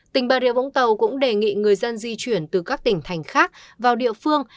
tỉnh bảo địa phú tàu cũng đề nghị người dân di chuyển từ các tỉnh thành khác vào địa phương